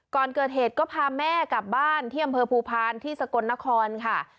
ก่อนเกิดเหตุก็พาแม่กลับบ้านที่อำเภอภูพานที่สกลนครค่ะ